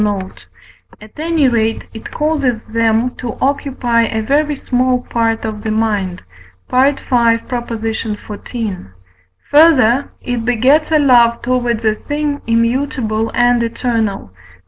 note); at any rate, it causes them to occupy a very small part of the mind (V. xiv.). Further, it begets a love towards a thing immutable and eternal (V.